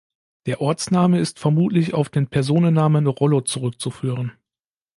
Der Ortsname ist vermutlich auf den Personennamen Rollo zurückzuführen.